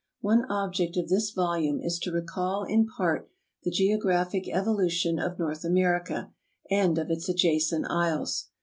One object of this volume is to recall in part the geographic evolution of North America and of its adjacent isles.